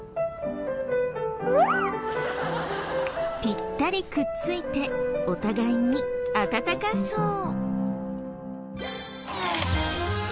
ピッタリくっついてお互いに温かそう。